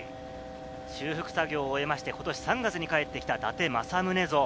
修復作業を終えまして、ことし３月に帰ってきた伊達政宗像。